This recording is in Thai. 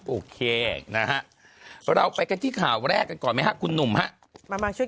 ๑๐๗๓โอเคนะฮะเราไปกันที่ข่าวแรกก่อนไหมคุณหนุ่มมาช่วย